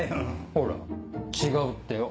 ほら違うってよ。